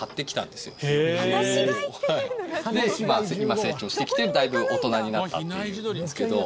で今成長してきてだいぶ大人になったっていう。